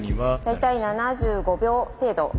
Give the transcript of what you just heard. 大体７５秒程度。